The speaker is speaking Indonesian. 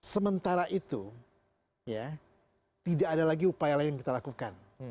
sementara itu tidak ada lagi upaya lain yang kita lakukan